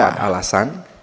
ada empat alasan